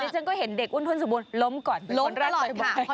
แต่ฉันก็เห็นเด็กอ้วนทวนสมบูรณ์ล้มก่อนเป็นคนรักมาก